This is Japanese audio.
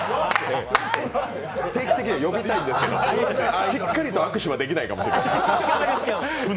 定期的に呼びたいんですけどしっかりと握手はできないかもしれない。